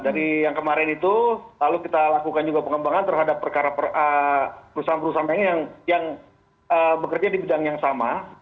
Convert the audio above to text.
dari yang kemarin itu lalu kita lakukan juga pengembangan terhadap perusahaan perusahaan lainnya yang bekerja di bidang yang sama